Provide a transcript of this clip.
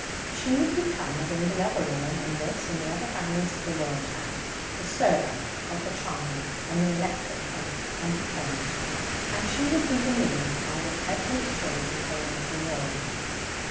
She would become, as all the other women in this and the other families of the world had, the servant of the china and the electro plate and the furniture, and she would be the means by which Edward's children came into the world.